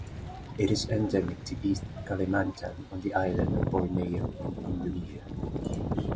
It is endemic to East Kalimantan on the island of Borneo in Indonesia.